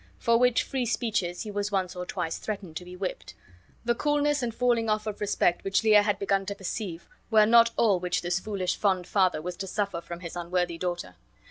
For which free speeches he was once or twice threatened to be whipped. The coolness and falling off of respect which Lear had begun to perceive were not all which this foolish fond father was to suffer from his unworthy daughter.